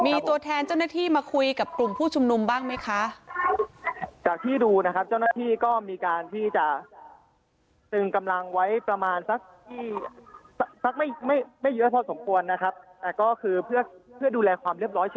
มีตัวแทนเจ้าหน้าที่มาคุยกับกลุ่มผู้ชุมนุมบ้างไหมคะ